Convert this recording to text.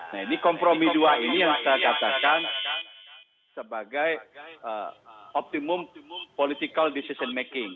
nah ini kompromi dua ini yang saya katakan sebagai optimum political decision making